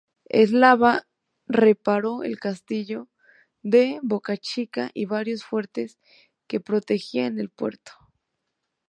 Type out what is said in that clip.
Eslava reparó el Castillo de Bocachica y varios fuertes que protegían el puerto.